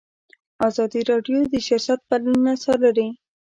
ازادي راډیو د سیاست بدلونونه څارلي.